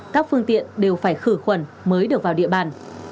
các phương tiện đều phải khử khuẩn mới được vào địa bàn